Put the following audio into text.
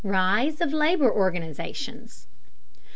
RISE OF LABOR ORGANIZATIONS.